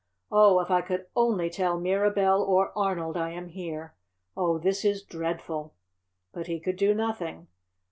"Oh, if I could only tell Mirabell or Arnold I am here. Oh, this is dreadful." But he could do nothing!